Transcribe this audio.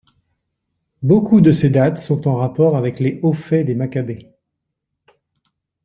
Beaucoup de ses dates sont en rapport avec les hauts-faits des Maccabées.